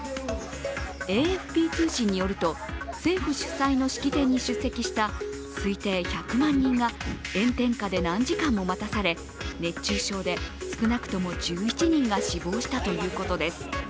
ＡＦＰ通信によると政府主催の式典に出席した推定１００万人が炎天下で何時間も待たされ熱中症で少なくとも１１人が死亡したということです。